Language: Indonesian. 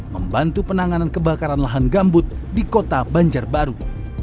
membantu penanganan kebakaran lahan gambut di kota banjarbaru